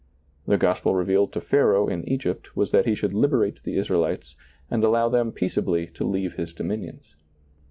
The gospel revealed to Pharaoh in Egypt was that he should liberate the Israelites and allow them peaceably to leave his dominions.